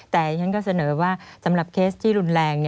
แต่ฉันก็เสนอว่าสำหรับเคสที่รุนแรง